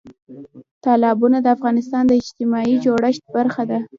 تالابونه د افغانستان د اجتماعي جوړښت برخه ده.